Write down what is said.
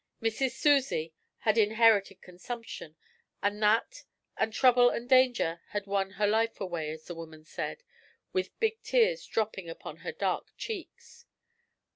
'Missis Susie' had inherited consumption, and that and trouble and danger had 'wo'n her life away,' as the woman said, with big tears dropping upon her dark cheeks.